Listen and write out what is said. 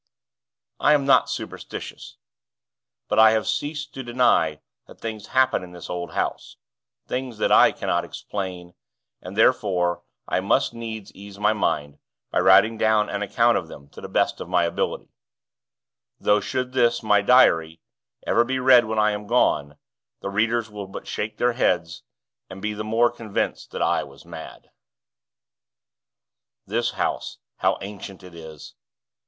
I am not superstitious; but I have ceased to deny that things happen in this old house things that I cannot explain; and, therefore, I must needs ease my mind, by writing down an account of them, to the best of my ability; though, should this, my diary, ever be read when I am gone, the readers will but shake their heads, and be the more convinced that I was mad. This house, how ancient it is!